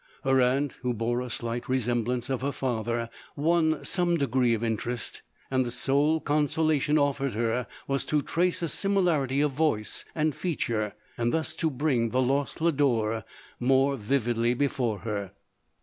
Her aunt, who bore a slight resemblance of her father, won some degree of interest ; and the sole consolation offered her, was to trace a similarity of voice and feature, and thus to bring the lost Lodore more vividly before her.